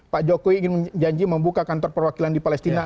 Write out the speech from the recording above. pak jokowi ingin janji membuka kantor perwakilan di palestina